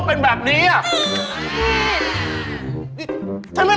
แบบอยากกินอะไร